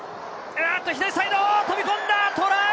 左サイド、飛び込んだ、トライ！